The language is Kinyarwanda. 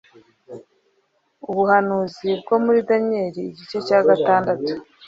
Ubuhanuzi bwo muri Daniyeli igice cya gatandatu